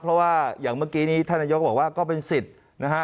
เพราะว่าอย่างเมื่อกี้นี้ท่านนายกบอกว่าก็เป็นสิทธิ์นะฮะ